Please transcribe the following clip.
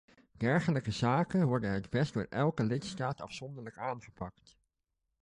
Dergelijke zaken worden het best door elke lidstaat afzonderlijk aangepakt.